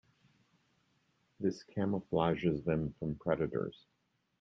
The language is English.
This camouflages them from predators.